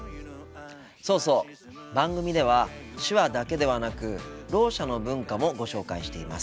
そうそう番組では手話だけではなくろう者の文化もご紹介しています。